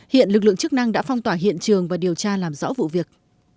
hiện lực lượng chức năng đã phong tỏa hiện trường và điều tra làm rõ vụ việc